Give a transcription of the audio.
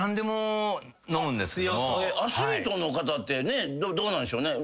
アスリートの方ってどうなんでしょうね？